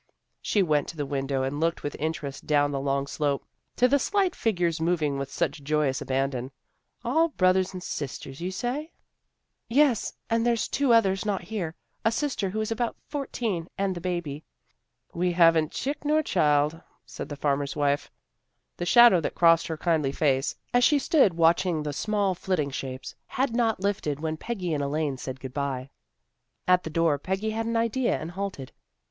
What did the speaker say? She went to the window and looked with interest down the long slope, to the slight figures moving with such joyous abandon. " All brothers and sisters, you say? " 324 THE GIRLS OF FRIENDLY TERRACE " Yes, and there's two others not here, a sister who's about fourteen and the baby." " And we haven't chick nor child," said the farmer's wife. The shadow that crossed her kindly face, as she stood watching the small flitting shapes, had not lifted when Peggy and Elaine said good bye. At the door Peggy had an idea, and halted.